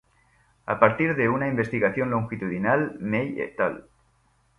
A partir de una investigación longitudinal May et al.